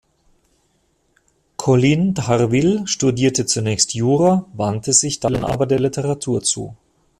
Collin d’Harleville studierte zuerst Jura, wandte sich dann aber der Literatur zu.